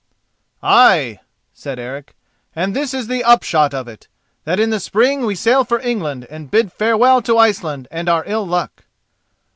"Ay," said Eric, "and this is the upshot of it, that in the spring we sail for England and bid farewell to Iceland and our ill luck."